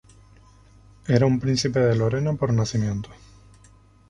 Era un príncipe de Lorena por nacimiento.